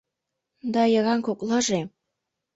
Да йыраҥ коклаже...